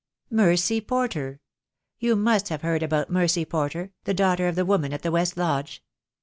"Mercy Porter. You must have heard about Mercy Porter, the daughter of the woman at the West Lodge."